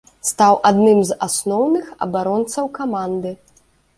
Стаў адным з асноўных абаронцаў каманды.